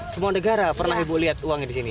semua negara pernah ibu lihat uangnya di sini